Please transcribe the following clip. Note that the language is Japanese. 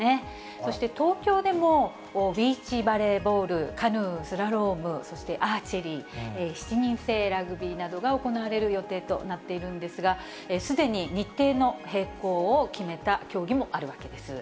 そして東京でもビーチバレーボール、カヌースラローム、そしてアーチェリー、７人制ラグビーなどが行われる予定となっているんですが、すでに日程の変更を決めた競技もあるわけです。